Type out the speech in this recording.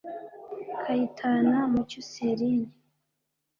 Kayitana Mucyo Celine